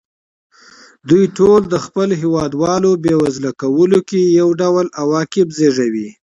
دوی ټول د خپلو هېوادوالو بېوزله کولو کې یو ډول عواقب زېږوي.